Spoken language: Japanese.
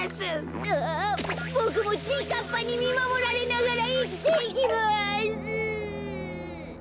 ああボクもちぃかっぱにみまもられながらいきていきます。